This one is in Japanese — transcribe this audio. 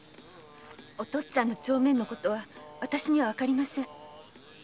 お父っつぁんの帳面のことはわたしにはわかりません。